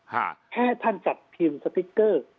แค่ท่านจัดพิมพ์สติ๊กเกอร์